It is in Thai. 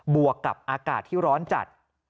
วกกับอากาศที่ร้อนจัด